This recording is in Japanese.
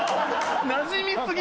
なじみすぎ！